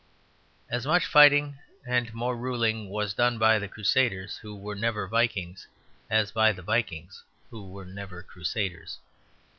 As much fighting (and more ruling) was done by the Crusaders who were never Vikings as by the Vikings who were never Crusaders.